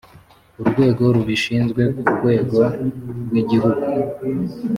urwego rubishinzwe ku rwego rw’igihugu